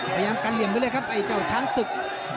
พยายามกันเหลี่ยมไปเลยครับไอ้เจ้าช้างศึก